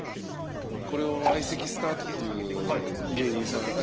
これを相席スタートっていう芸人さん。